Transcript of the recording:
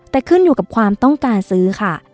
แต่ขึ้นอยู่กับความต้องการซื้อค่ะ